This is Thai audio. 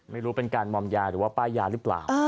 ไม่รู้เป็นการมอมยาหรือว่าป้ายยาหรือเปล่า